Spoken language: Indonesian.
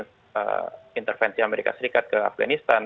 kemudian intervensi amerika serikat ke afganistan